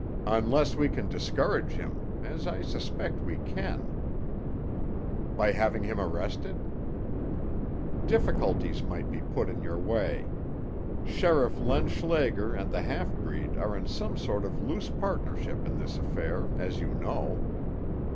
"Unless we can discourage him—as I expect we can." "By having him arrested?" "Difficulties might be put in our way. Sheriff Len Schlager and the half breed are in some sort of loose partnership in this affair, as you know.